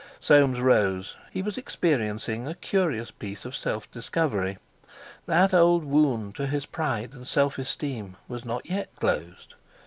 Soames rose, he was experiencing a curious piece of self discovery. That old wound to his pride and self esteem was not yet closed.